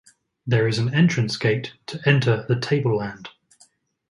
There is an entrance gate to enter the table land.